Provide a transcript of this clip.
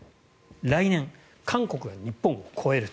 来年、韓国が日本を超える。